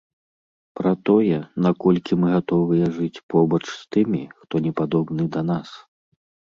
Пра тое, наколькі мы гатовыя жыць побач з тымі, хто не падобны да нас.